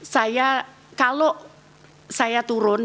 saya kalau saya turun